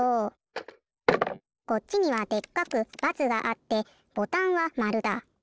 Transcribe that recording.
こっちにはでっかく×があってボタンは○だ。